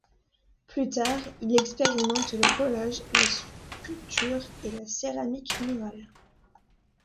Plus tard, il expérimente le collage, la sculpture et la céramique murale.